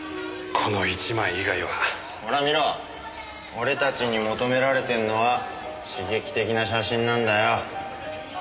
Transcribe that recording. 俺たちに求められてるのは刺激的な写真なんだよ。